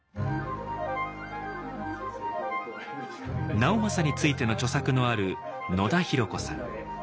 直政についての著作のある野田浩子さん。